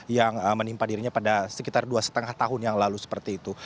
yang menimpa dirinya pada sekitar dua lima tahun yang lalu seperti itu